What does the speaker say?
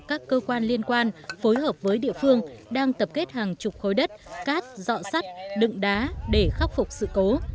các cơ quan liên quan phối hợp với địa phương đang tập kết hàng chục khối đất cát dọn sắt đựng đá để khắc phục sự cố